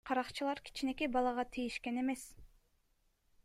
Каракчылар кичинекей балага тийишкен эмес.